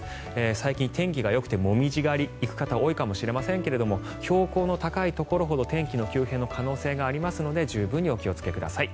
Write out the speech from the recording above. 最近、天気がよくてモミジ狩りに行く方多いかもしれませんけれども標高の高いところほど天気急変の可能性がありますので十分にお気をつけください。